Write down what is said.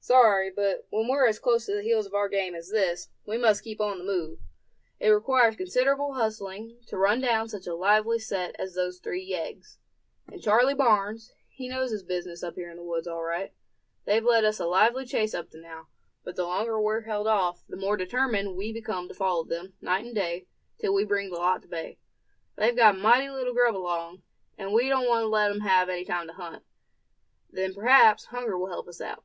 "Sorry, but when we're as close to the heels of our game as this, we must keep on the move. It requires considerable hustling to run down such a lively set as those three yeggs. And Charley Barnes, he know his business up here in the wood, all right. They've led us a lively chase up to now; but the longer we're held off, the more determined we become to follow them, night and day, till we bring the lot to bay. They've got mighty little grub along, and we don't want to let 'em have any time to hunt. Then perhaps hunger will help us out."